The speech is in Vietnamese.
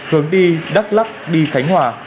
hướng đi đắk lắc đi khánh hòa